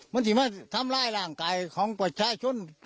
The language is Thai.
มันถึงมาทำร้ายร่างกายของประชาชน